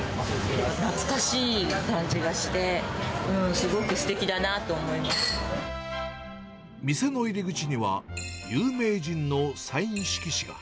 懐かしい感じがして、すごく店の入り口には、有名人のサイン色紙が。